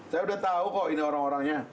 saya udah tahu kok ini orang orangnya